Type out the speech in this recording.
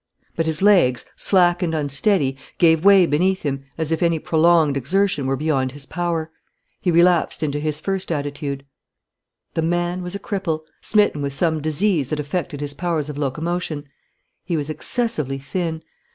But his legs, slack and unsteady, gave way beneath him, as if any prolonged exertion were beyond his power. He relapsed into his first attitude. The man was a cripple, smitten with some disease that affected his powers of locomotion. He was excessively thin.